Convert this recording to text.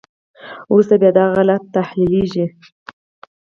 وروسته بیا دغه حالت تحلیلیږي.